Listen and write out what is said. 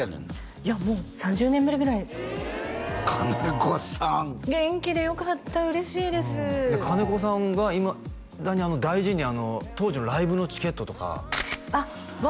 いやもう３０年ぶりぐらい金子さん元気でよかった嬉しいです金子さんがいまだに大事に当時のライブのチケットとかあっうわ